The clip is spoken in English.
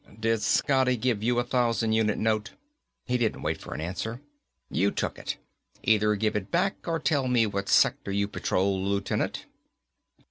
"Did Scotty give you a thousand unit note?" He didn't wait for an answer. "You took it. Either give it back or tell me what sector you patrol, Lieutenant."